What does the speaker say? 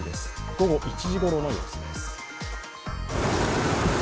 午後１時ごろの様子です。